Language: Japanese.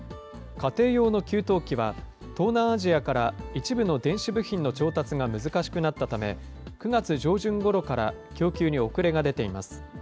家庭用の給湯器は、東南アジアから一部の電子部品の調達が難しくなったため、９月上旬ごろから供給に遅れが出ています。